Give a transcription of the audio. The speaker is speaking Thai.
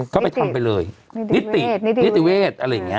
ก็ไปทำไปเลยนิตินิติเวศอะไรอย่างนี้